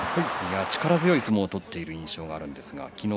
力強い相撲を取っている印象があります。